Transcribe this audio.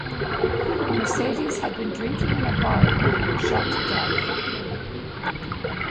Mercedes had been drinking in a bar when he was shot to death.